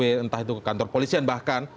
entah itu ke kantor polisian bahkan